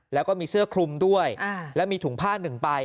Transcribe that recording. แล้วก็มีเสื้อคลุมด้วยแล้วมีถุงผ้าหนึ่งใบ